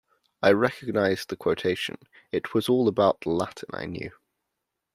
I recognised the quotation: it was about all the Latin I knew.